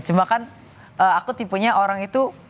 cuma kan aku tipenya orang itu